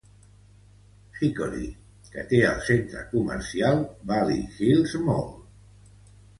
Hickory, que té el centra comercial Valley Hills Mall.